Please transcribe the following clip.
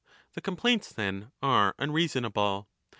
The complaints, then, are unreasonable.